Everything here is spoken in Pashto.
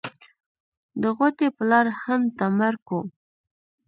د غوټۍ پلار هم تا مړ کو.